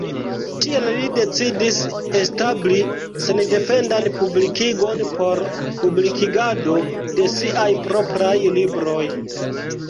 Tiel li decidis establi sendependan publikigon por publikigado de siaj propraj libroj.